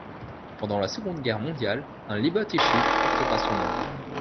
Pendant la Seconde Guerre mondiale, un liberty ship portera son nom.